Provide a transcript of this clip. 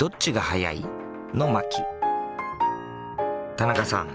田中さん